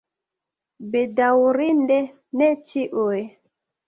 Bedaŭrinde ne ĉiuj.